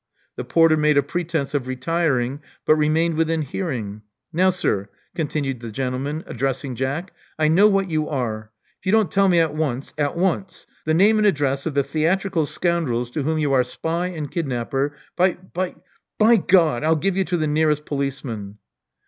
The porter made a pretence of retiring, but remained within hearing. Now, sir," continued the gentleman, addressing Jack, I know what you are. If you don't tell me at once — at once, the name and address of the theatrical scoundrels to whom you are spy and kidnapper: by — by — by God! I'll give you to the nearest policeman."